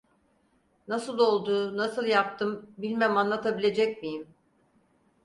Nasıl oldu? Nasıl yaptım? Bilmem anlatabilecek miyim?